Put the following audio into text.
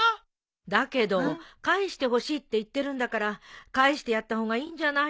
だけど返してほしいって言ってるんだから返してやった方がいいんじゃないの？